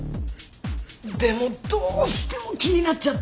でもどうしても気になっちゃって！